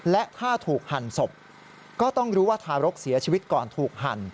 และถ้าถูกหั่นศพก็ต้องรู้ว่าทารกเสียชีวิตก่อนถูกหั่น